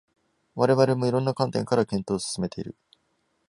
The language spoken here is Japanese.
我々も色々な観点から検討を進めている